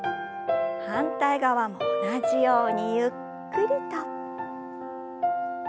反対側も同じようにゆっくりと。